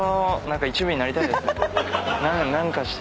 何かして。